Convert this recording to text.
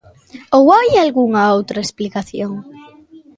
Ou hai algunha outra explicación?